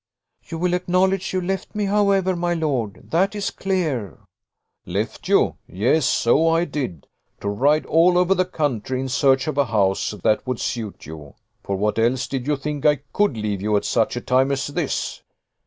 "You will acknowledge you left me, however, my lord? That is clear." "Left you! Yes, so I did; to ride all over the country in search of a house that would suit you. For what else did you think I could leave you at such a time as this?"